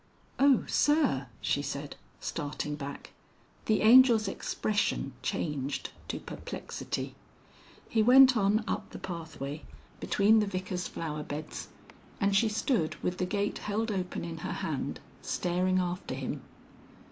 "Oh, sir!" she said, starting back. The Angel's expression changed to perplexity. He went on up the pathway between the Vicar's flower beds, and she stood with the gate held open in her hand, staring after him.